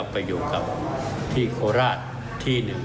ไปอยู่กับที่โคลาสที่หนึ่ง